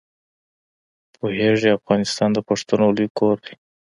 پوهېږې افغانستان د پښتنو لوی کور دی.